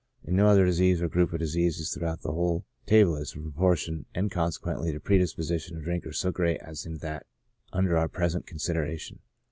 In no other disease or group of diseases throughout the whole table is the proportion, and conse quently the predisposition of drinkers so great as in that under our present consideration.